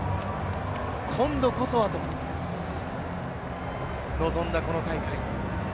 今度こそはと臨んだこの大会。